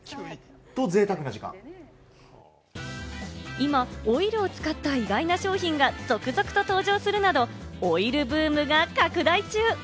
今、オイルを使った意外な商品が続々と登場するなど、オイルブームが拡大中。